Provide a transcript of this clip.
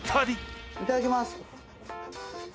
いただきます。